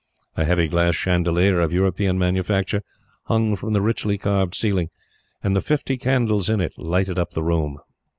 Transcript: A heavy glass chandelier, of European manufacture, hung from the richly carved ceiling, and the fifty candles in it lighted up the room.